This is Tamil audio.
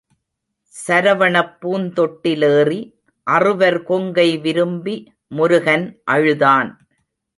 சரவணப் பூந்தொட்டிலேறி அறுவர் கொங்கை விரும்பி முருகன் அழுதான்.